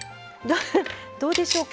どうでしょうか。